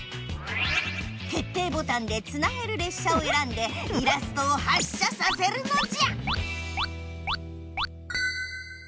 決定ボタンでつなげるれっしゃをえらんでイラストを発車させるのじゃ！